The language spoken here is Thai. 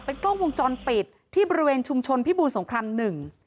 กล้องวงจรปิดที่บริเวณชุมชนพิบูรสงครามหนึ่ง